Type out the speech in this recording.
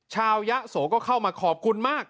ยะโสก็เข้ามาขอบคุณมาก